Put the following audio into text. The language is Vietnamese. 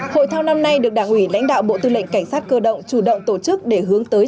hội thao năm nay được đảng ủy lãnh đạo bộ tư lệnh cảnh sát cơ động chủ động tổ chức để hướng tới